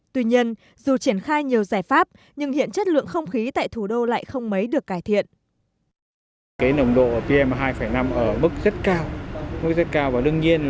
tuy nhiên dù triển khai nhiều giải pháp nhưng hiện chất lượng không khí tại thủ đô lại không mấy được cải thiện